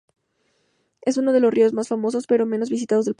Es uno de los ríos más famosos pero menos visitados del país.